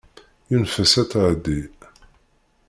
Yunef-as ad tɛeddi.